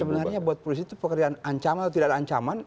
sebenarnya buat polisi itu pekerjaan ancaman atau tidak ada ancaman